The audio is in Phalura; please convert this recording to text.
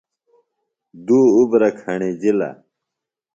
دُو اُبرہ کھݨِجِلہ۔